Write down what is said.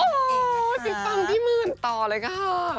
อ๋อติดตามพี่มื่นต่อเลยค่ะ